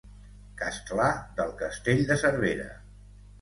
Castlà del castell de Cervera.